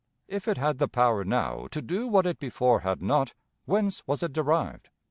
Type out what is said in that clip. If it had the power now to do what it before had not, whence was it derived?